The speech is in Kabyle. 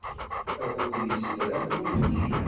Akud yessedram kullec.